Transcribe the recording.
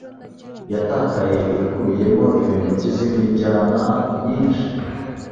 Yatakaye ikubiyemo ibintu byizindi njyana nyinshi